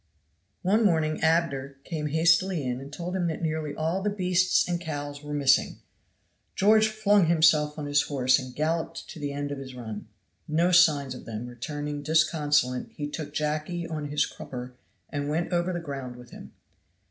One morning Abner came hastily in and told him that nearly all the beasts and cows were missing. George flung himself on his horse and galloped to the end of his run. No signs of them returning disconsolate he took Jacky on his crupper and went over the ground with him.